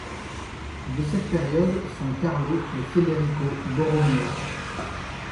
De cette période sont Carlo et Federico Borromeo.